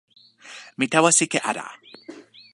mi tawa sike ala.